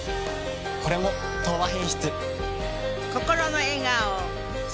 これも「東和品質」。